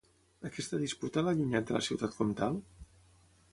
Aquesta disputa l'ha allunyat de la ciutat comtal?